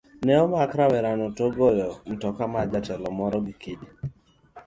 Ne omak rawerano bang' goyo mtoka mar jatelo moro gi kite